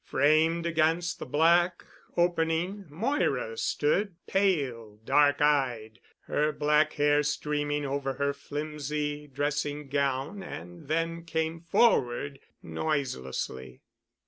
Framed against the black opening Moira stood, pale, dark eyed, her black hair streaming over her flimsy dressing gown, and then came forward noiselessly.